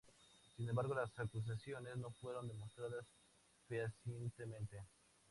Sin embargo las acusaciones no fueron demostradas fehacientemente.